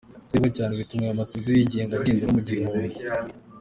Kutarebwa cyane bituma aya mateleviziyo yigenga agenda agwa mu gihombo.